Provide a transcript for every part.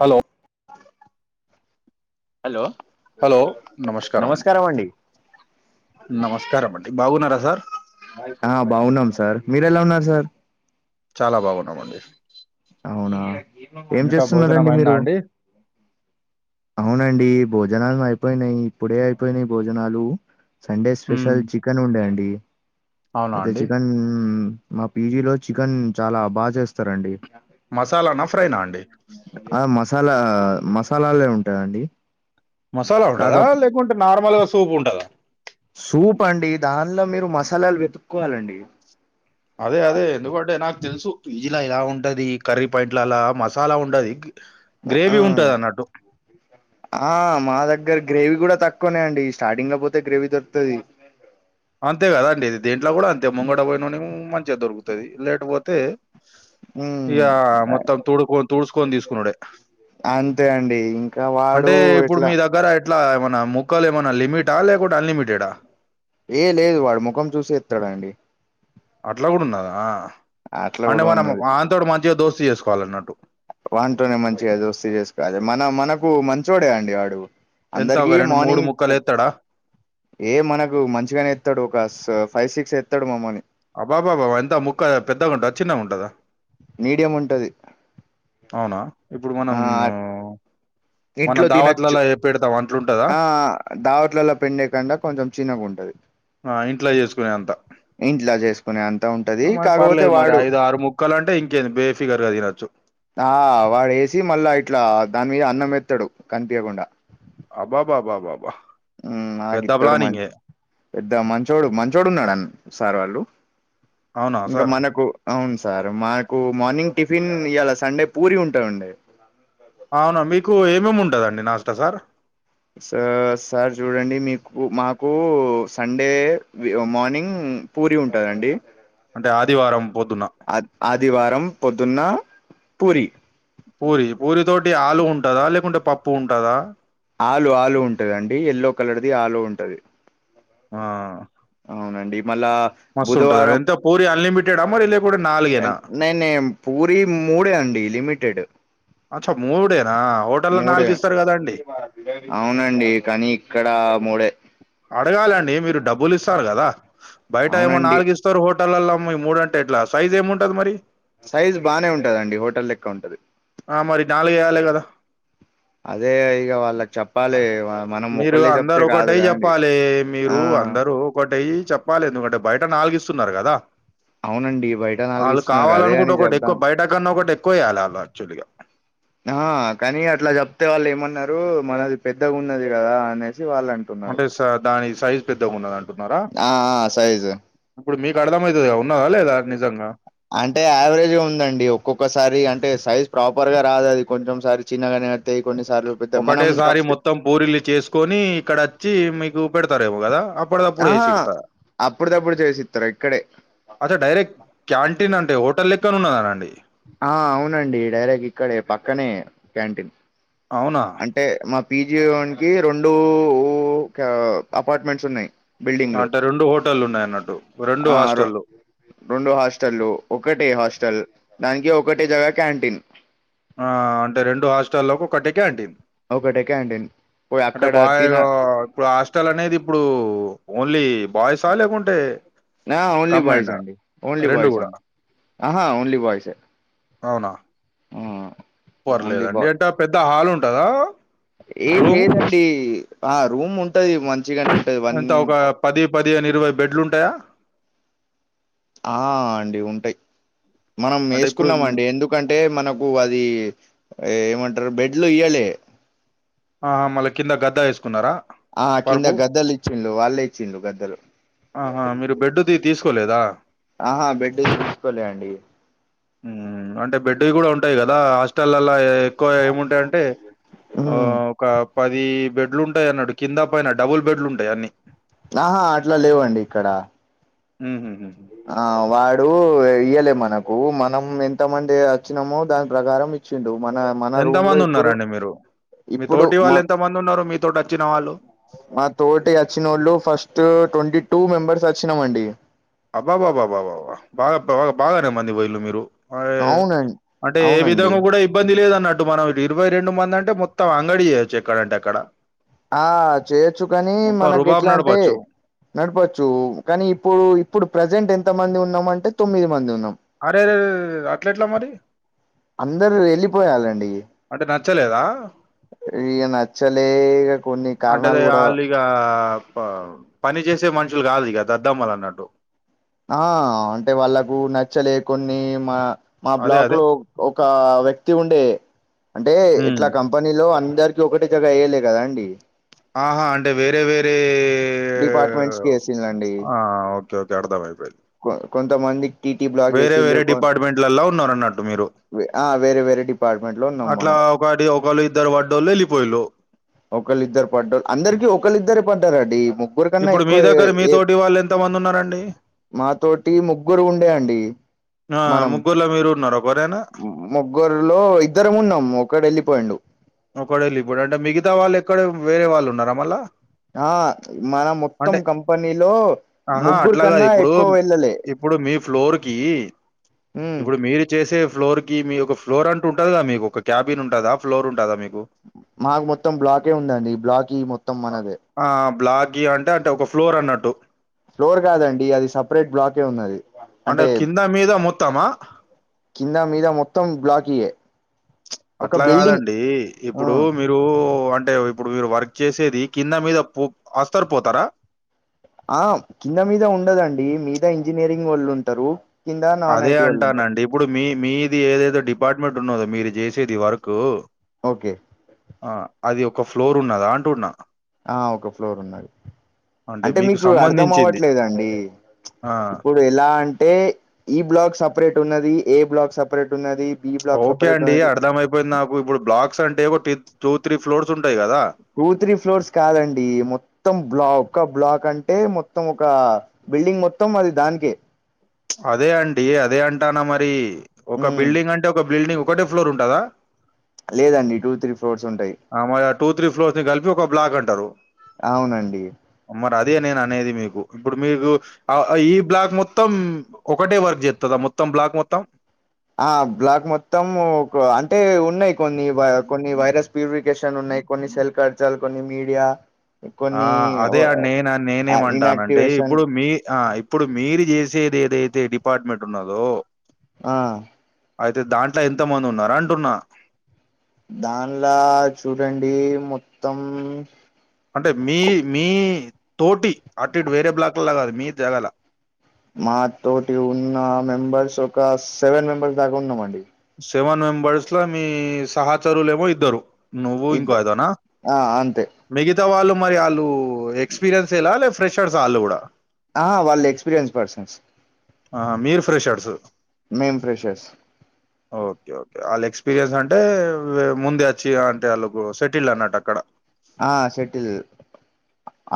Hello hello నమస్కారం అండి నమస్కారం అండి బాగున్నారా సార్ ఆ బాగున్నాం సార్ మీరు ఎలా ఉన్నారు సార్ చాలా బాగున్నామండి అవునా ఏం ఇంకా భోజనం చేస్తున్నారండి అయిందా మీరు అండి అవునండి భోజనాలు అయిపోయినాయి ఇప్పుడే అయిపోయినాయి భోజనాలు సండే ఉమ్, స్పెషల్ చికెన్ ఉండేండి అవునా అతే అండి చికెన్ మా పీజీలో చికెన్ చాలా బాగా చేస్తారండి మసాలానా ఫ్రైనా అండి ఆ మసాలా మసాలాలే ఉంటాదండి మసాలా ఉంటందా లేకుంటే నార్మల్ గా సూప్ ఉంటందా సూప్ అండి దానిలో మీరు మసాలాలు వెతుక్కోవాలండి అదే అదే ఎందుకంటే నాకు తెలుసు పిజీల ఇలా ఉంటాది కర్రీ పాయింట్ అలా మసాలా ఉండది ఆ గ్రేవీ ఉంటది అన్నట్టు ఆ మా దగ్గర గ్రేవీ కూడా తక్కువనే అండి స్టార్టింగ్ లో పోతే గ్రేవీ దొరుకుతది అంతే కద అండి దీంట్ల కూడా అంతే ముంగడ పోయినోని మంచిగా దొరుకుతది లేటు పోతే ఇగ ఉమ్ మొత్తం తోడుకోని తుడుసుకొని తీసుకునుడే అంతే అండి ఇంకా వాడు అంటే ఇప్పుడు ఎట్లా మీ దగ్గర ఎట్లా ఏమన్నా ముక్కలు ఏమనా లిమిట్ ఆ లేకుండా అన్ లిమిటెడ్ ఏ లేదు వాడు ముఖం చూసి ఏత్తడు అట్లా కూడా ఉన్నదా అట్లా అంటే కూడా మనం ఉన్నది వాన్ తోటి మంచిగా దోస్తు చేసుకోవాలి అన్నట్టు వానితోనే మంచిగా దోస్తీ చేసుకోవాలి మన మనకు మంచోడే అండి వాడు ఎంత అందరికి ఒక రెండు మూడు మార్నింగ్ ముక్కలు ఎత్తాడా ఏ మనకు మంచిగానే ఎత్తాడు ఒక ఫైవ్ సిక్స్ ఎస్తాడు మాకు అబాబాబా ఎంత ముక్క పెద్దగ ఉంటదా చిన్నగా ఉంటదా మీడియం ఉంటాది అవునా ఇప్పుడు మనం మన ఇంట్లో తినొచ్చు దావత్లలా ఏ పెడతాం అట్లుంటందా ఆ దావతులల్ల పెట్టే కంటే కొంచెం చిన్నగా ఉంటాది ఆ ఇంట్లో చేసుకునే అంత ఇంట్లో చేసుకొనే అంతా ఉంటాది మరి పర్లేదు మరి ఐదు ఆరు ముక్కలు అంటే ఇంకేంది బేఫిగర్ గా తినొచ్చు ఆ వాడు వేసి మళ్ళా ఇట్లా దాని మీద అన్నం పెడత్తాడు కనిపీయకుండా అబ్బాబాబాబా నాకు ఇత్తడు మరి పెద్ద మంచోడు మంచోడు ఉన్నాడు సార్ వాళ్ళు అవునా ఇంకా సార్ మనకు అవును సార్ మాకు మార్నింగ్ టిఫిన్ ఇలా సండే పూరి ఉంటాయిండి అవును మీకు ఏమేమి ఉంటాదండి నాస్తా సార్ సార్ సార్ చూడండి మీకు మాకు సండే మార్నింగ్ పూరి ఉంటాదండి అంటే ఆదివారం పొద్దున్న ఆదివారం పొద్దున్న పూరి పూరి పూరి తోటి ఆలు ఉంటాదా లేకుంటే పప్పు ఉంటాదా ఆలు ఆలు ఉంటదండి ఎల్లో కలర్దీ ఆలు ఉంటాది ఆ అవునండి మళ్ళా మస్తు ఉంటాది బుధవారం ఎంత పూరి అన్లిమిటెడ్ ఆ మరి లేకుండా నాలుగేనా నై నే పూరి మూడే అండి లిమిటెడ్ అచ్చ మూడేనా హోటల్లో మూడే నాలుగు ఇస్తారు కదండి అవునండి కానీ ఇక్కడ మూడే అడగాలండి మీరు డబ్బులు ఇస్తారు కదా బయట ఏమో అవునండి నాలుగు ఇస్త స్తారు హోటల్ల మూడు అంటే ఎట్లా సైజ్ ఏమిముంటది మరి సైజ్ బానే ఉంటాడండి హోటల్ లెక్క ఉంటాది ఆ మరి నాలుగు వేయ్యాలి కదా అదే ఇగ వాళ్ళకి చెప్పాలే మీరు అందరు ఒకటే చెప్పాలి ఆ మీరు అందరూ ఒక్కటై చెప్పాలి ఎందుకంటే బయట నాలుగు ఇస్తున్నారు కదా అవునండి బయట నాలుగు వాళ్ళు ఇస్తున్నారు అదే కావాలనుకుంటే అని ఒకటి ఎక్కువ చెప్దాం బయట కన్నా ఒకటి ఎక్కువ వేయాలి వాళ్ళు యాక్చువల్ గా ఆ కానీ అట్లా చెప్తే వాళ్ళు ఏమన్నారు మనది పెద్దగా ఉన్నది కదా అనేసి వాళ్ళు అంటున్నారు అంటే స- దాని సైజ్ పెద్దగా ఉన్నది అంటున్నారా ఆ ఆ సైజు ఇప్పుడు మీకు అర్థంమయితాది ఉన్నాదా లేదా నిజంగా అంటే యావరేజ్ ఉందండి ఒక్కొక్కసారి అంటే సైజ్ ప్రాపర్ గా రాదు అది కొంచెం సారి చిన్నగానే వస్తే కొన్ని సార్లు ఒకటేసారి మొత్తం పూరిలు చేసుకొని ఇక్కడ వచ్చి మీకు పెడతారేమో కదా అప్పటిదప్పుడు ఆ వేసి హా ఇడతా అప్పుడుది అప్పుడు చేసి ఇస్తారు ఇక్కడే అదే డైరెక్ట్ క్యాంటీన్ అంటే హోటల్ లెక్కని ఉన్నదా అన్ అనండి ఆ అవునండి డైరెక్ట్ ఇక్కడే పక్కనే క్యాంటీన్ అవునా అంటే మా పిజి వోనికి రెండు ఊ కే అపార్ట్మెంట్స్ ఉన్నాయి బిల్డింగ్లు అంటే రెండు హోటల్లు ఉన్నాయి అన్నట్టు రెండు ఆ రొ- హాస్టల్లు రెండు హాస్టల్లు ఒకటే హాస్టల్ దానికి ఒకటే దగ క్యాంటీన్ ఆ అంటే రెండు హాస్టల్లకి ఒక్కటే క్యాంటీన్ ఒక్కటే క్యాంటీన్ అంటే బాయ్ ఇప్పుడు హాస్టల్ అనేది ఇప్పుడు ఓన్లీ బాయ్సా లేకుంటే ఓన్లీ బాయ్స్ కమ్మండ్ అండి, ఓన్లీ రెండు బాయ్స్ కూడా అం, డి ఆహా ఓన్లీ బాయ్స్ ఏ. అవునా హూ పర్లేదండి ఎట్టా పెద్ద హాలు ఉంటదా ఏం రూమ్ లేదండి ఆ రూమ్ ఉంటది మంచిగానే ఉంటది వన్ ఎంత ఒక పది పదిహేను, ఇరవై బెడ్లు ఉంటాయా ఆ అండి ఉంటాయి మనం అంటే ఇప్పుడు వేసుకున్నాం అండి ఎందు ఎందుకంటే మనకు అది ఏమంటారు బెడ్లు ఇయ్యాలే ఆహా మళ్ళ కింద గద్ద వేసుకున్నారా ఆ కింద పరుపు గద్దలు ఇచ్చిళ్ళు వాళ్ళే ఇచ్చిండు గద్దలు ఆహా మీరు బెడ్ తీ తీసుకోలేదా ఆహా బెడ్డు తీసుకోలే అండి హు అంటే బెడ్డువి కూడా ఉంటాయి కదా, హాస్టల్లాల ఎక్కువ ఏముంటాయి అంటే ఓ ఉమ్ ఒక పది బెడ్లు ఉంటాయి అన్నాడు, కింద పైన డబుల్ బెడ్లు ఉంటాయి అన్ని. ఆహా అట్లా లేవండి ఇక్కడ హు హుమ్మ్ ఆ వాడు ఇయ్యలే మనకు మనం ఎంతమంది వచ్చినామో దాని ప్రకారం చింటూ మన మన ఎంత రూమ్ లో మంది ఇప్పుడు ఉన్నారండి మీరు, మీ ఇప్పుడు తోటి మా వాళ్ళు ఎంత మంది ఉన్నారు, మీతోటి వచ్చిన వాళ్ళు. మా తోటి వచ్చినోళ్ళు ఫస్ట్ ట్వంటీ టూ మెంబెర్స్ వచ్చినామండి. అబ్బాబాబాబాబాబ బా అప్ప బాగానే మంది వైళు మీరు అవునండి అంటే ఏ అవునండి విధంగా కూడా ఇబ్బంది లేదన్నట్టు మన ఇరవై రెండు మంది అంటే మొత్తం అంగడి చేయొచ్చు ఎక్కడంటే అక్కడ. ఆ చేయొచ్చు కానీ మొత్తం మనకి రుబాబ్ ఎట్లా అంటే నడపొచ్చు. నడపచ్చు కానీ ఇప్పుడు ఇప్పుడు ప్రజెంట్ ఎంత మంది ఉన్నాం అంటే తొమ్మిది మంది ఉన్నాం. అరెరెరెరె! అట్లెట్లా మరి? అందరూ వెళ్ళిపోయాలండి అంటే నచ్చలేదా రీ నచ్చలే ఇగ కొన్ని కారణాలు కూడా ఇగా ప పని చేసే మనుషులు కాదు ఇగ దద్దమ్మలు అన్నట్టు. ఆ అంటే వాళ్ళకు నచ్చలే కొన్ని మా మా అదే బ్లాక్ అదే లో ఒక వ్యక్తి ఉండే అంటే హ్మ్. ఇట్లా కం కంపెనీలో అందరికిీ ఒకటే జగ ఎయ్యాలే కదా అండి ఆహా అంటే వేరే వేరే డిపార్ట్మెంట్స్ కి వేసిలండి ఆ ఓ ఓకే ఓకే అర్థమై పే కొంతమంది టీటి బ్లాక్ వేసి లు కోన్ డిపార్ట్మెంట్లలా ఉన్నారు అన్నట్టు మీరు ఆ వేరే వేరే డిపార్ట్మెంట్ లో ఉన్నాం అట్లా మనము ఒకటి ఒకళ్ళ ఇద్దరు పడ్డోళ్ళ ఎళ్ళిపోయిలు ఒకళ్ళిద్దరు పడ్డ అందరికి ఒకళ్ళిద్దరే పడ్డారండి ము ఇప్పుడు మీ దగ్గర మీ తోటి వాళ్ళు ఎంత మంది ఉన్నారండి మాతోటి ముగ్గురు ఉండే అండి ఆ మనం ముగ్గురులో మీరు ఉన్నార ఒకరైనా ముగ్గురులో ఇద్దరం ఉన్నాము ఒక్కడు ఎళ్ళిపోయిండు ఒకడేళ్ళి పోయిండు అంటే మిగతా వాళ్ళు ఎక్కడ వేరే వాళ్ళు ఉన్నారా మళ్ళా ఆ మన మొత్తం అంటే కంపెనీలో ఆహా ముగ్గురు అట్లా కాదు కన్నా ఇప్పుడు ఎక్కువ వెళ్ళలే ఇప్పుడు మీ ఫ్లోర్ కి ఉమ్ ఇప్పుడు మీరు చేసే ఫ్లోర్ కి మీ ఒక ఫ్లోర్ అంటూ ఉంటది మీకు ఒక క్యాబిన్ ఉంటదా ఫ్లోర్ ఉంటదా మీకు మాకు మొత్తం బ్లాకే ఉందండి బ్లాక్ ఈ మొత్తం మనదే ఆ బ్లాగి అంటే అంటే ఒక ఫ్లోర్ అన్నట్టు ఫ్లోర్ గాదండి అది సపరేట్ బ్లాకే ఉన్నది అంటే కింద మీద మొత్తమా కింద మీద మొత్తం బ్లాకియే చ్ ఒక అట్లా బిల్డింగ్ గాదండి ఆ ఇప్పుడు మీ ఇప్పుడు అంటే ఇప్పుడు మీరు వర్క్ చేసేది కింద మీద పో అస్తరు పోతరా ఆ కింద మీద ఉండదండి మీద ఇంజనీరింగ్ వోళ్ళు ఉంటరు కింద నాన్ అదే ఐటీ వోళ్ళు ఉంటారు అంటానండి. ఇప్పుడు మీ మీది ఏదైతే డిపార్ట్మెంట్ ఉన్నదో మీరు చేసేది వర్క్ ఓకే ఆ అది ఒక ఫ్లోర్ ఉన్నదా అంటున్న ఆ ఒక ఫ్లోర్ ఉన్నది అంటే మీకు అర్ధం అవ్వట్లేదండి ఆ! ఇప్పుడ్ ఇప్పు ఎలా అంటే ఈ బ్లాక్ సపరేట్ ఉన్నది ఏ బ్లాక్ సపరేట్ ఉన్నది బి బ్లాక్ ఓకే సపరేట్ అండి ఉన్నది అర్థం అయిపోయింది నాకు ఇప్పుడు బ్లాక్స్ అంటే ఒక టూ త్రీ ఫ్లోర్స్ ఉంటాయి గదా టూ త్రీ ఫ్లోర్స్ కాదండి మొత్తం బ్లాక్ ఒక బ్లాక్ అంటే మొత్తం ఒక బిల్డింగ్ మొత్తం అది దానికే అదే అండి అదే అంటానా మరి ఒక ఉమ్ బిల్డింగ్ అంటే ఒక బిల్డింగ్ ఒకటే ఫ్లోర్ ఉంటదా లేదండి టూ త్రీ ఫ్లోర్స్ ఉంటయి ఆ మరి టూ త్రీ ఫ్లోర్స్ ని కలిపి ఒక బ్లాక్ అంటరు అవునండి మరి అదే నేను అనేది మీకు ఇప్పుడు మీకు ఈ బ్లాక్ మొత్తం ఒకటే వర్క్ చేస్తదా మొత్తం బ్లాక్ మొత్తం ఆ బ్లాక్ మొత్తం ఒక అంటే ఉన్నయి కొన్ని కొన్ని వైరస్ ప్యూరిఫికేషన్ ఉన్నాయి కొన్ని సెల్ కార్చాలు కొన్ని మీడియా ఆ కొన్ని అదే అండి నేను నేనేమంటాన్ అంటే ఇన్యాక్టివేషన్ ఇప్పుడు మీ ఆ ఇప్పుడు మీరు చేసేది ఏదైతే డిపార్ట్మెంట్ ఉన్నదో ఆ అయితే దాంట్లో ఎంత మంది ఉన్నారు అంటున్నా దాన్ల్లా చూడండి మొత్తం అంటే మీ మీ తోటి అటు ఇటు వేరే బ్లాక్ లా కాదు మీ జగాలా మా తోటి ఉన్న మెంబెర్స్ ఒక సెవెన్ మెంబెర్స్ దాకా ఉన్నామండి సెవెన్ మెంబర్స్ ల మీ సహచరులేమో ఇద్దరు నువ్వు ఇద్ద ఇంకో అతనా ఆ అంతే మిగతా వాళ్ళు మరి ఆళ్ళు ఎక్స్పీరియన్స్లా లే ఫ్రెషర్స్ ఆళ్ళు గూడా ఆ వాళ్ళు ఎక్స్పీరియన్స్ పర్సన్స్ ఆహా మీరు ఫ్రెషర్స్ మేమ్ ఫ్రెషర్స్ ఓకే ఓకే వాళ్ళు ఎక్స్పీరియన్స్ అంటే ముందే వచ్చి అంటే వాళ్ళకు సెటిల్డ్ అన్నట్టు అక్కడ ఆ సెటిల్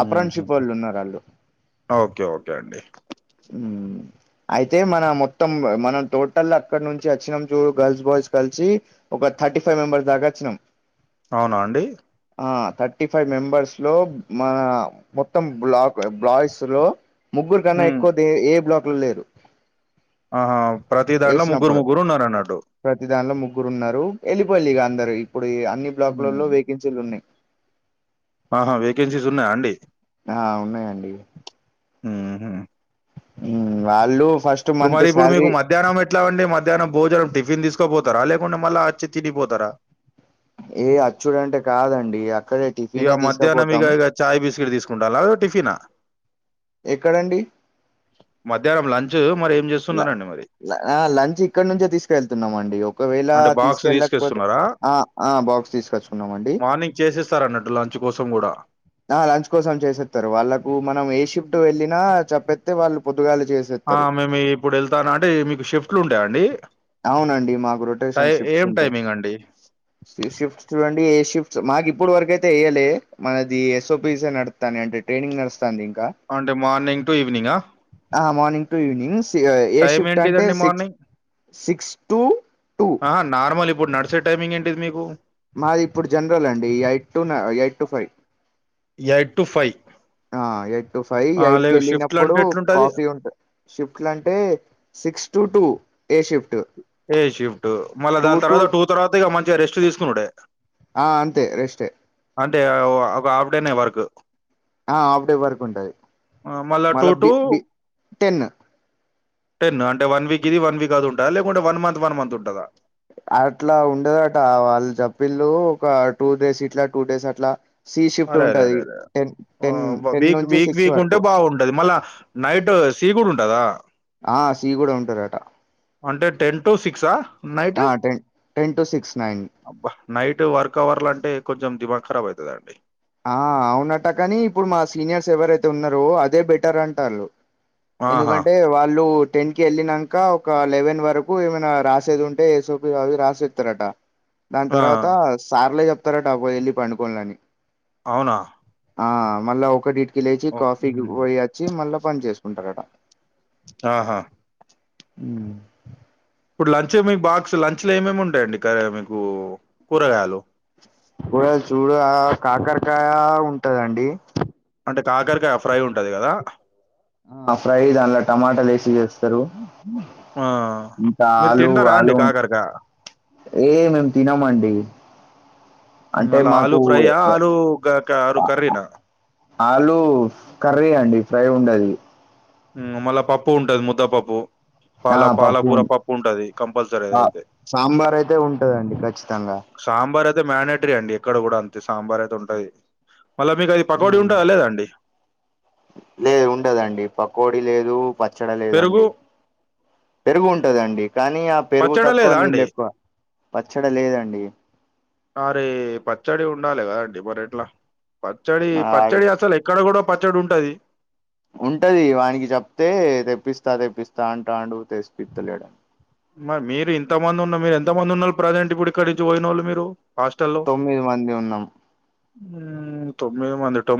మ్ అప్రెంట్షిప్ వాళ్ళు ఉన్నారు ఆళ్ళు ఓకే ఓకే అండి ఉమ్ అయితే మన మొత్తం మనం టోటల్ అక్కడ నుంచి వచ్చినాము చూ గర్ల్స్ బాయ్స్ కలిసి ఒక థర్టీ ఫైవ్ మెంబర్స్ దాకా అచ్చినం అవునా అండి ఆ థర్టీ ఫైవ్ మెంబర్స్ లో మన మొత్తం బ్లాక్ బ్లాయిస్ లో ముగ్గురు కన్నా మ్మ్. ఎక్కువ దే ఏ బ్లాక్ లో లేరు ఆహా ప్రతి దాంట్లో ముగ్గురు ముగ్గురు ఉన్నారు అన్నట్టు ప్రతిదానిలో ముగ్గురు ఉన్నారు వెళ్ళిపోయి లిక ఇక అందరు ఇప్పుడు అన్ని బ్లాక్లలలో మ్మ్. వేకెన్ సీలున్నయి ఆహా వేకెన్సీస్ ఉన్నాయా అండి ఆ ఉన్నయండి మ్మ్. ఉమ్ వాళ్ల్ళు ఫస్ట్ మంత్ రుమారిపుర్ శాలరీ మీకు మాక్ మధ్యాహ్నం ఎట్లా అండి మధ్యాహ్నం భోజనం టిఫిన్ తీసుకపోతరా లేకుంట మళ్ళ అచ్చి తినిపోతారా ఏ అచ్చుడు అంటే కాదండి అక్కడే ఇక టిఫినే మధ్యాహ్నం తీసుకపోతాం ఇక ఇక చాయ్ బిస్కెట్ తీసుకుంటాలా టిఫినా ఎక్కడండి మధ్యాహ్నం లంచ్ మరి ఏం ల చేస్తున్నారండి మరి ఆ లంచ్ ఇక్కడ నుంచే తీసుకెళ్తున్నామ అండి ఒకవేళ అంటే బాక్స్ తీసుకెళ్ళకపోతే తీసుకొస్తున్నారా ఆ ఆ బాక్స్ తీసుకొచ్చుకున్నామండి చేసేస్తారన్నట్టు లంచ్ కోసం కూడా ఆ లంచ్ కోసం చేసేత్తారు వాళ్ళలకు మనం ఏ షిఫ్ట్ హ్మ్. వెళ్ళినా చెప్పేత్తే వాళ్ళు పొద్దుగాలు చేస్ ఆ మేము ఇప్పుడు ఎళ్తాను అంటే మీకు షిఫ్ట్లు ఉంటాయా అండి అండి మాకు టై రొటేషన్ షిప్ట్స్ ఏం ఉంటాయి టైమింగ్ అండి షిఫ్ట్స్ చూడండి ఏ షిఫ్ట్స్ మాకు ఇప్పుడు వరకు అయితే ఏయ్యలే మన ఇది ఎస్ఓపిసి నడుత్తాని అంటే ట్రైనింగ్ నడుస్తాంది ఇంకా అంటే మార్నింగ్ టు ఈవెనింగ్ ఆ ఆ మార్నింగ్ టు ఈవవినింగ్స్ ఇక ఏ టైం షిఫ్ట్ అంటే ఏంటిదండి six morning six two two ఆహా నార్మల్ ఇప్పుడు నడిసే టైమింగ్ ఏంటిది మీకు మాది ఇప్పుడు జనరల్ అండి eight to eight to five eight to five ఆ ఎయిట్ టు ఫైవ్ ఎయిట్ కి వ షిఫ్ట్లు ఎళ్ళినప్పుడు అంటే ఎట్లుంటది కాఫీ ఉంటది షిఫ్ట్లుఅంటే six two two day shift day shift మళ్ళా టూ దాని టు తర్వాత టూ తర్వాత ఇక మంచిగా రెస్ట్ తీసుకునుడే ఆ అంతే రెస్టే అంటే ఒక హాఫ్ డేనే వర్క్ ఆ ఆఫ్ డే వర్కుఉంటది ఆ! మళ్ళా టూ మళ్ళీ P to B ten ten అంటే వన్ వీక్ ఇది వన్ వీక్ అదుంటదా లేకుంటే వన్ మంత్ వన్ మంత్ ఉంటదా అట్లా ఉండదట వాళ్ళు చప్పిల్లు ఒక టూ డేస్ ఇట్లా టూ డేస్ అట్లా సి షిఫ్ట్ అరే అరే అరే ఉంటది అరే టెన్ ఓ టెన్ వ టెన్ వీక్ నుంచి వీక్ సిక్స్ వీక్ ఉంటే వరకు బాగుంటది మళ్ళా నైట్ సీ కూడా ఉంటదా? ఆ సి కూడా ఉంటారట. అంటే టెన్ టు సిక్సా? ఆ ten ten to six nine అబ్బా నైట్ వర్క్ అవర్లు అంటే కొంచెం దిమాగ్ ఖరాబ్ అవుతదండి. ఆ అవునట్ట కానీ ఇప్పుడు మా సీనియర్స్ ఎవరైతే ఉన్నారో అదే బెటర్ అంటాళ్ళు ఆహా! ఎందుకంటే వాళ్ళు టెన్క్ వెళ్లి నాంక ఒక లెవెన్ వరకు ఏమైనా రాసేది ఉంటే ఏసోపి అవి రాసిస్తారట. దాని ఆ! తర్వాత సార్లే చెప్తారటపోయే వెళ్ళి పండుకోనులని అవునా ఆ మళ్ళా ఒకటి ఇటికి లేచి ఓహ్! కాఫీకి హ్మ్. పోయ్య వచ్చి మళ్ళా పని చేసుకుంటారట. ఆహా ఉ ఇప్పుడు లంచ్ మీకు బాక్స్ లంచ్ లో ఏమేమి ఉంటాయండి క మీకు కూరగాయలు? కూరగాయలు చూడగా కాకరకాయ ఉంటదండి. అంటే కాకరకాయ ఫ్రై ఉంటది కదా ఆ ఫ్రై దానిలో టమటాలు వేసి చేస్తారు. ఆ! మీరు ఆలు తింటారా ఆలు అండి ఉం కాకరకాయ? ఏ మేము తినమండి. అంటే మల్లా ఆలు మాకు ఫ్రై ఆ ఆలు కర్రీ నా ఆలు కర్రీ అండి ఫ్రై ఉండది మ్ మళ్ళా పప్పు ఉంటది ముద్ద పప్పు పాల పాలకూర పప్పు ఉంటది కంపల్సరీ అదయితే సాంబార్ అయితే ఉంటదండి ఖచ్చితంగా సాంబార్ అయితే మ్యానేటరీ అండి ఎక్కడ కూడా అంతే సాంబార్ అయితే ఉంటది మళ్ళా మీకు అది పకోడి ఉంటదా లేదండి లేదు ఉండదండి పకోడి లేదు, పచ్చడి పెరుగు లేదండి. పెరుగు ఉంటదండి కానీ ఆ పెరుగు పచ్చడి తక్కువ లేదా నీళ్ళు అండి ఎక్కువ పచ్చడి లేదండి. అరే పచ్చడి ఉండాలి కదా అండి మరిట్లా పచ్చడి ఆ పచ్చడి అసలు ఇక్కడ కూడా పచ్చడి ఉంటది. ఉంటది వానికి చెప్తే తెప్పిస్తా తెప్పిస్తా అంతండు తెసిపిత్తలేడు. మరి మీరు ఇంతమంది ఉన్న మీరు ఎంతమంది ఉన్నారు ప్రజెంట్ ఇప్పుడు ఇక్కడనుంచి పోయినోళ్లు మీరు? హాస్టల్లో తొమ్మిది మంది ఉన్నాం హామ్ తొమ్మిది మంది టామ్